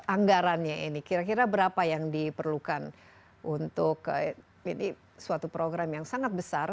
anggarannya ini kira kira berapa yang diperlukan untuk ini suatu program yang sangat besar